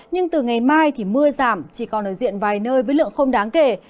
nhưng từ ngày mai thì mưa giảm chỉ còn ở diện vài nơi với lượng không đáng kể